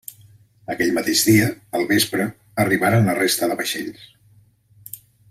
Aquell mateix dia, al vespre, arribaren la resta de vaixells.